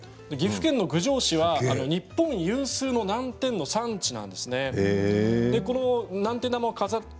岐阜県の郡上市は日本有数の南天の産地なんです。